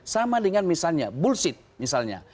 sama dengan misalnya bullsit misalnya